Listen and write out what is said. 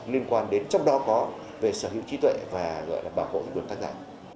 liên quan đến trong đó có về sở hữu trí tuệ và gọi là bảo hộ tác giả